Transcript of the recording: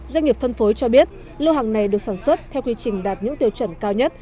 doanh nghiệp phân phối cho biết lô hàng này được sản xuất theo quy trình đạt những tiêu chuẩn cao nhất